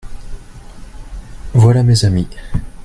Voilà mes amis.